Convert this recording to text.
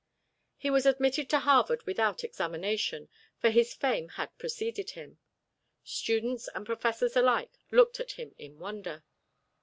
He was admitted to Harvard without examination, for his fame had preceded him. Students and professors alike looked at him in wonder.